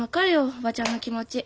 叔母ちゃんの気持ち。